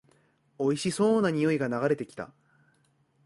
おいしそうな匂いが流れてきた